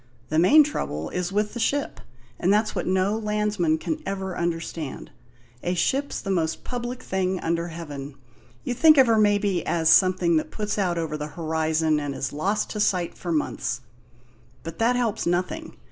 The main trouble is with the ship, and that's what no landsman can ever understand. A ship's the most public thing under heaven. You think of her, maybe, as something that puts out over the horizon and is lost to sight for months. But that helps nothing.